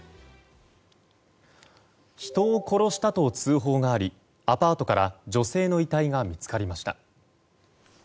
人を殺したと通報がありアパートから女性の遺体が見つかりました。